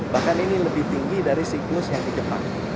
bahkan ini lebih tinggi dari siklus yang di jepang